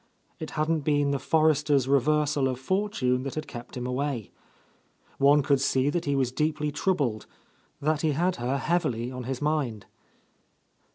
It hadn't been the Forresters' reversal of fortune that had kept him away. One could see that he was deeply troubled, that he had her heavily on his mind.